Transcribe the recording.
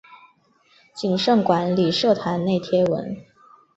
谨慎管理社团内贴文